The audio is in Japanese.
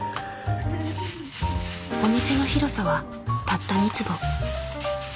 お店の広さはたった２坪。